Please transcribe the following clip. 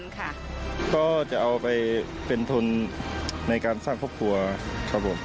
ก็จะเอาไปเป็นทุนในการสร้างครอบครัวครับผม